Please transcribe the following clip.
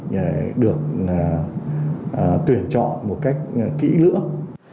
để được tuyển chọn một cách kỹ lưỡng